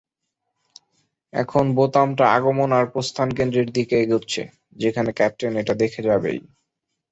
এখন বোতামটা আগমন আর প্রস্থান কেন্দ্রের দিকে এগোচ্ছে, যেখানে ক্যাপ্টেন এটা দেখে যাবেই।